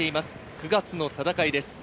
９月の戦いです。